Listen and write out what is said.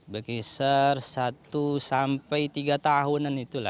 begisar satu sampai tiga tahun